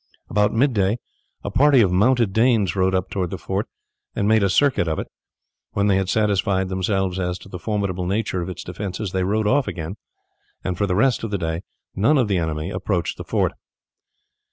About mid day a party of mounted Danes rode up towards the fort and made a circuit of it. When they had satisfied themselves as to the formidable nature of its defences they rode off again, and for the rest of the day none of the enemy approached the fort.